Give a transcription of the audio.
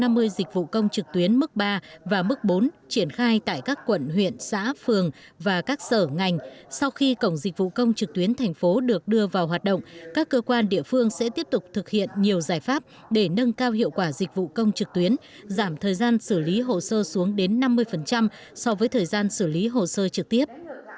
đã có một trăm năm mươi dịch vụ công trực tuyến mức ba và mức bốn triển khai tại các quận huyện xã phường và các sở ngành sau khi cổng dịch vụ công trực tuyến thành phố được đưa vào hoạt động các cơ quan địa phương sẽ tiếp tục thực hiện nhiều giải pháp để nâng cao hiệu quả dịch vụ công trực tuyến giảm thời gian xử lý hồ sơ xuống đến năm mươi so với thời gian xử lý hồ sơ trực tiếp